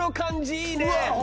いいね